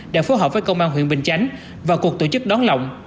đã phối hợp với công an huyện bình chánh và cuộc tổ chức đón lọng